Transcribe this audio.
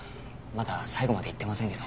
まだ最後まで言ってませんけど。